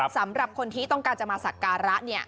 สำหรับคนที่ต้องการจะมาสักการะเนี่ย